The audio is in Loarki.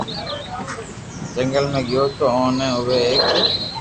جنگل ۾ گيو تو اوني اووي ايڪ